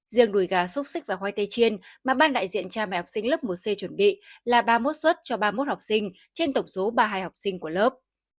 riêng đùi gà xúc xích và hoa tây chiên mà ban đại diện cha mẹ học sinh lớp một c chuẩn bị là ba mươi một xuất cho ba mươi một học sinh trên tổng số ba mươi hai học sinh của lớp